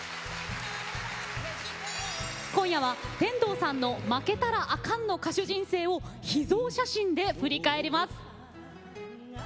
今夜は天童さんの負けたらあかんの歌手人生を秘蔵写真で振り返ります。